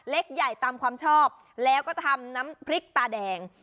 ใหญ่ตามความชอบแล้วก็ทำน้ำพริกตาแดง